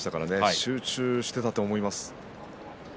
集中していたと思います。